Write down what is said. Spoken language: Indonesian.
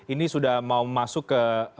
ini sudah mau masuk ke